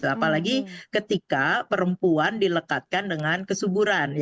apalagi ketika perempuan dilekatkan dengan kesuburan